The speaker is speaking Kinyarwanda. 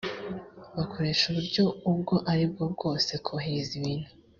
bakoresha uburyo ubwo ari bwo bwose kohereza ibintu